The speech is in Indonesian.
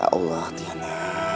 ya allah tiana